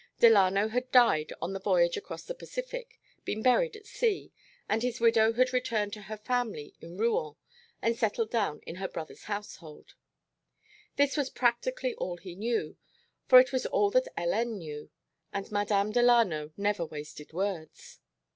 Delano had died on the voyage across the Pacific, been buried at sea, and his widow had returned to her family in Rouen and settled down in her brother's household. This was practically all he knew, for it was all that Hélène knew, and Madame Delano never wasted words.